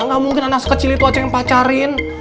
gak mungkin anak sekecil itu aja yang pacarin